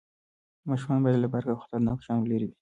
ماشومان باید له برق او خطرناکو شیانو لرې وي.